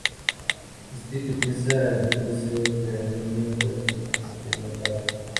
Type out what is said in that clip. Spike empieza un deseo que Anya corta antes de que lo acabe.